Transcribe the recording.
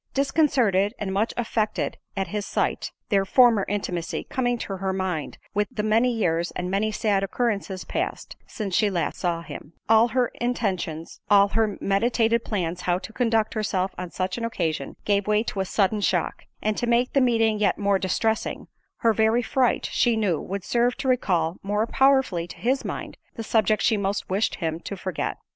Disconcerted, and much affected at his sight, (their former intimacy coming to her mind with the many years, and many sad occurrences passed, since she last saw him) all her intentions, all her meditated plans how to conduct herself on such an occasion, gave way to a sudden shock—and to make the meeting yet more distressing, her very fright, she knew, would serve to recall more powerfully to his mind, the subject she most wished him to forget.